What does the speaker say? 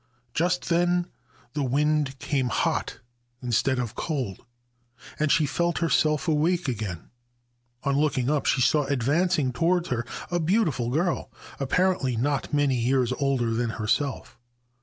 Just then the wind came hot instead of cold, and she felt herself awake again. On looking up she saw advancing towards her a beautiful girl, apparently not many years older than herself.